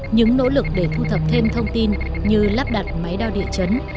những nỗ lực để thu thập thêm thông tin như lắp đặt máy đo địa chấn